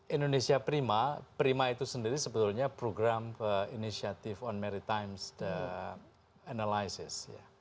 indonesia prima prima itu sendiri sebetulnya program initiative on maritime analysis